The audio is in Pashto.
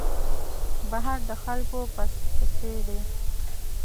بهر د خلکو پس پسي دی.